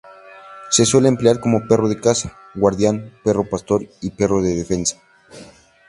Se suele emplear como perro de caza, guardián, perro pastor y perro de defensa.